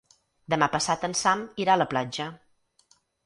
Demà passat en Sam irà a la platja.